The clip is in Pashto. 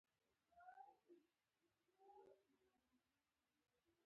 یوه ورځ به تاسو شاته وګورئ.